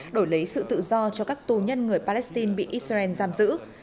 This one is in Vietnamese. đổi lấy sự tự do cho các tù nhân người palestine bị israel giam giữ